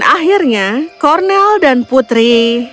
dan akhirnya cornel dan putri